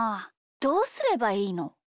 どうすればいいの？